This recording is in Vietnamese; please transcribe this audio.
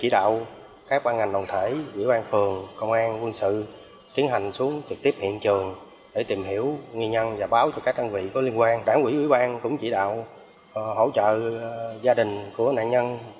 đàn ông tên quý khoảng năm mươi tuổi quê long an